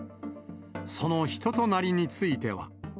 その人となりについては。